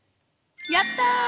やった！